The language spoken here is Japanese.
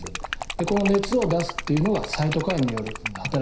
この熱を出すっていうのがサイトカインによる働きなんですね。